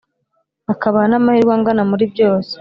bakabaha n’amahirwe angana muri byose.